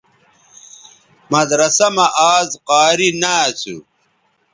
مدرسہ مہ آزقاری نہ اسُو